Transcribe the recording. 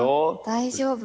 大丈夫。